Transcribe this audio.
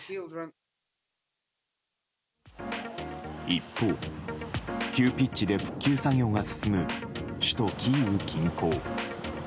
一方、急ピッチで復旧作業が進む首都キーウ近郊。